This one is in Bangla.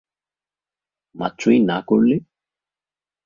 মাত্রই না করলে।